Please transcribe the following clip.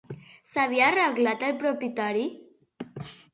S'havia arreglat el propietari?